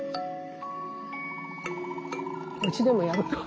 うちでもやるか？